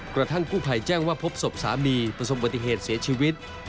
กระทั่งกู้ภัยแจ้งว่าพบศพสามีประสบปฏิเหตุเสียชีวิต